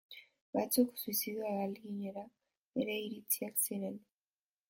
Batzuk suizidio ahaleginera ere iritsiak ziren.